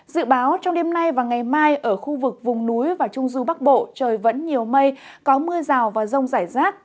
dự báo trong đêm nay và ngày mai ở khu vực vùng núi và trung du bắc bộ trời vẫn nhiều mây có mưa rào và rông rải rác